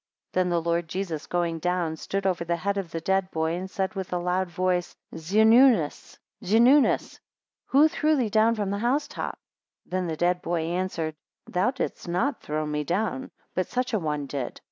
9 Then the Lord Jesus going down stood over the head of the dead boy, and said with a loud voice, Zeinunus, Zeinunus, who threw thee down from the housetop? 10 Then the dead boy answered, thou didst not throw me down, but such a one did.